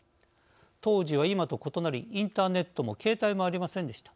当時は今と異なりインターネットも携帯もありませんでした。